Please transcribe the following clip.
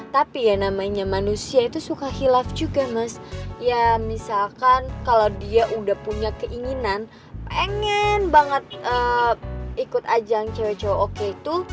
tapi ya namanya manusia itu suka hilaf juga mas ya misalkan kalau dia udah punya keinginan pengen banget ikut ajang cewek cewek oke itu